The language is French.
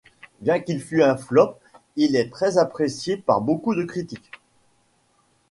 Bien qu'il fût un flop, il est très apprécié par beaucoup de critiques.